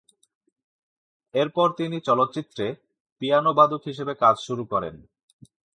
এরপর তিনি চলচ্চিত্রে পিয়ানোবাদক হিসেবে কাজ শুরু করেন।